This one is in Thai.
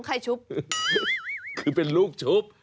ใครชุบคือเป็นลูกชุบ